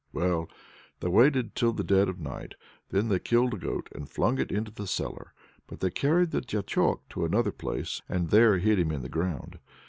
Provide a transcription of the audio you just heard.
Well, they waited till the dead of night; then they killed a goat and flung it into the cellar, but they carried the Diachok to another place and there hid him in the ground.